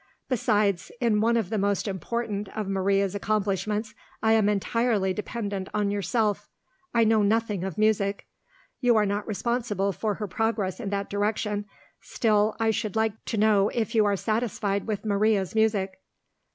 Besides, in one of the most important of Maria's accomplishments, I am entirely dependent on yourself. I know nothing of music. You are not responsible for her progress in that direction. Still, I should like to know if you are satisfied with Maria's music?"